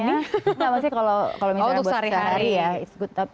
enggak maksudnya kalau misalnya buat sehari hari ya